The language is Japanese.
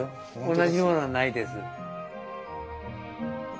同じものはないです。